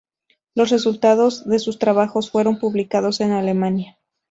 Los resultados de sus trabajos fueron publicados en Alemania.